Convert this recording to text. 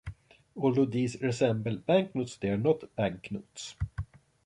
Although these resemble banknotes, they are not banknotes.